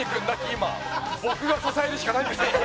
今僕が支えるしかないんですよ！